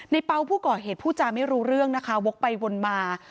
เป๋าผู้ก่อเหตุพูดจาไม่รู้เรื่องนะคะวกไปวนมา